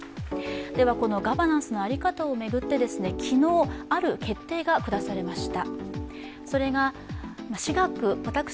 ではこのガバナンスの在り方を巡って昨日、ある決定が下されました。